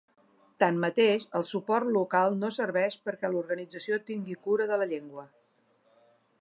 Tanmateix, el suport local no serveix perquè l’organització tingui cura de la llengua.